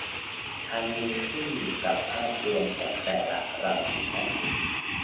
ทั้งนี้ ขึ้นอยู่กับภาพรวมของแต่ละราศีนั่นเอง